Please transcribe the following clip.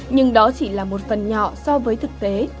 nhưng đó chỉ là một phần nhỏ so với thực tế